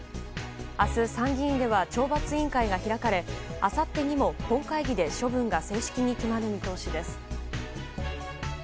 明日、参議院では懲罰委員会が開かれあさってにも本会議で処分が正式に決まる見通しです。